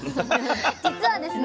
実はですね